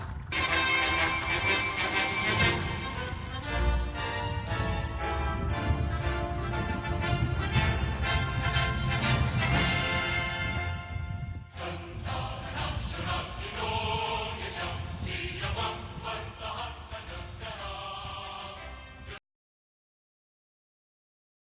tentara nasional indonesia siap mempertahankan